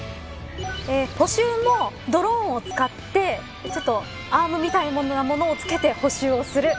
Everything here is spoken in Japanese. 補修もドローンを使ってアームみたいなものをつけて補修をする。